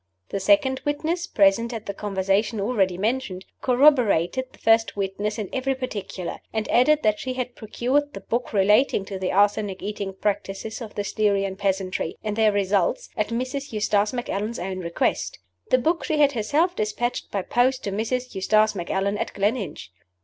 The second witness, present at the conversation already mentioned, corroborated the first witness in every particular; and added that she had procured the book relating to the arsenic eating practices of the Styrian peasantry, and their results, at Mrs. Eustace Macallan's own request. This book she had herself dispatched by post to Mrs. Eustace Macallan at Gleninch.